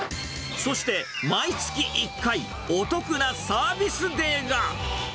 そして、毎月１回、お得なサービスデーが。